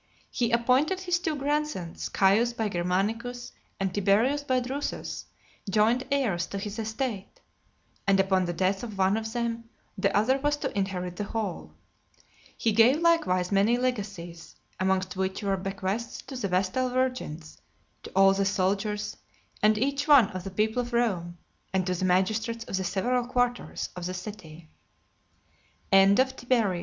He appointed his two grandsons, Caius by Germanicus, and Tiberius by Drusus, joint heirs to his estate; and upon the death of one of them, the other was to inherit the whole. He gave likewise many legacies; amongst which were bequests to the Vestal Virgins, to all the soldiers, and each one of the people of Rome, and to the magistrates